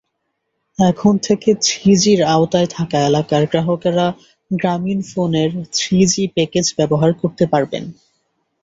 এখন থেকে থ্রিজির আওতায় থাকা এলাকার গ্রাহকেরা গ্রামীণফোনের থ্রিজি প্যাকেজ ব্যবহার করতে পারবেন।